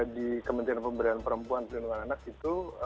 di kementerian pemberdayaan perempuan dan perlindungan anak itu